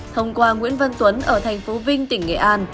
thông qua nguyễn văn tuấn ở thành phố vinh tỉnh nghệ an